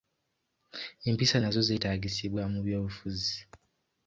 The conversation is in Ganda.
Empisa nazo zeetagisibwa mu by'obufuzi.